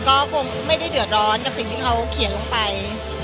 ก็คงไม่ได้เดือดร้อนกับสิ่งที่เขาเขียนลงไป